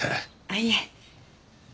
あっいえ。